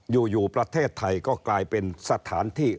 อยู่ประเทศไทยก็กลายเป็นสถานที่